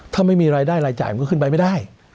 ถ้าไม่มีรายได้รายจ่ายมันก็ขึ้นไปไม่ได้